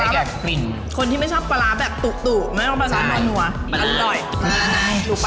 ฮาร้ามสุกตังหลวงประบาทแต่เป็นยำ